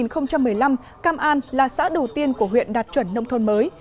năm hai nghìn một mươi năm cam an là xã đầu tiên của huyện đạt chuẩn nông thôn mới